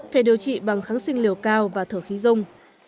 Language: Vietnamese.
phải điều trị bằng kháng sinh liều cao và thở khí dung